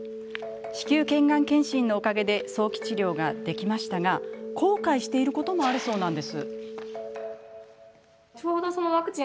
子宮けいがん検診のおかげで早期治療ができましたが後悔していることもあるそうなんです。